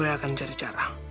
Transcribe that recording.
saya akan mencari cara